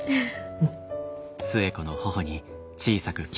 うん。